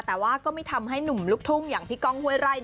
แต่ว่าก็ไม่ทำให้หนุ่มลูกทุ่งอย่างพี่ก้องห้วยไร่